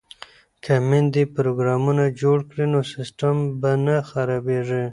که میندې پروګرامونه جوړ کړي نو سیسټم به نه خرابیږي.